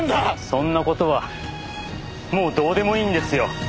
そんな事はもうどうでもいいんですよ。